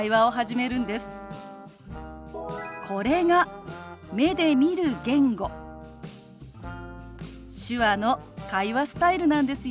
これが目で見る言語手話の会話スタイルなんですよ。